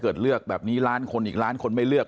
เลือกแบบนี้ล้านคนอีกล้านคนไม่เลือก